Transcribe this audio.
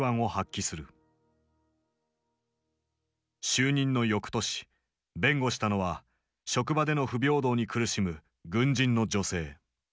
就任のよくとし弁護したのは職場での不平等に苦しむ軍人の女性。